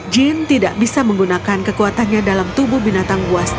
jin tidak bisa menggunakan kekuatannya dalam tubuh binatang buas